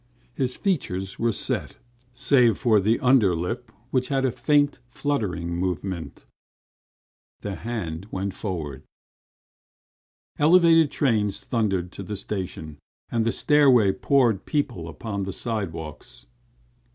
His features were set, save for the under lip, which had a faint fluttering movement. The hand went forward. Elevated trains thundered to the station and the stairway poured people upon the side walks.